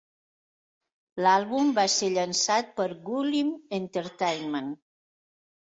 L'àlbum va ser llançat per Woollim Entertainment.